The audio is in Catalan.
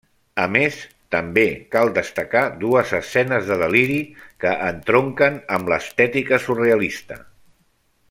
A més, també cal destacar dues escenes de deliri que entronquen amb l'estètica surrealista.